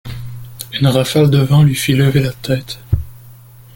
Une rafale de vent lui fit lever la tête.